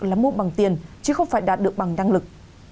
là mua bằng tiền chứ không phải đạt được bằng năng lực